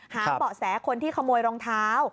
หาเบาะแสคนที่ขโมยรองเท้า